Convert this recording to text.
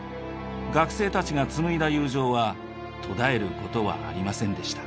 学生たちが紡いだ友情は途絶えることはありませんでした。